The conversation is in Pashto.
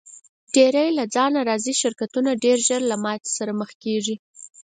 ډېری له ځانه راضي شرکتونه ډېر ژر له ماتې سره مخ کیږي.